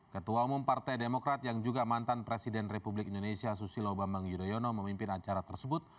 ketua umum partai demokrat yang juga mantan presiden republik indonesia susilo bambang yudhoyono memimpin acara tersebut